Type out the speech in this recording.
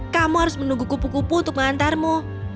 kamu harus menunggu kupu kupu untuk mengantarmu